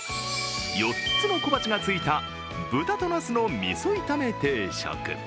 ４つの小鉢がついた豚と茄子の味噌炒め定食。